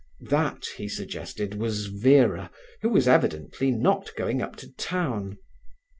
That, he suggested, was Vera, who was evidently not going up to town.